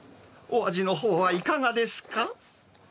お味のほうはいかがですか？